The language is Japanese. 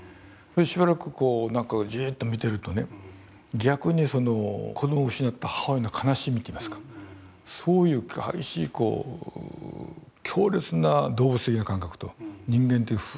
しばらくこうじっと見てると逆に子どもを失った母親の悲しみっていいますかそういう激しい強烈な動物的な感覚と人間的深い愛ですね